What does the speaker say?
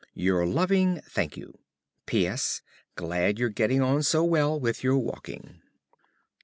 Your loving, ~Thankyou.~ P. S. Glad you're getting on so well with your walking.